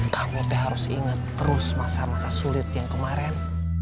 kamu udah harus ingat terus masa masa sulit yang kemarin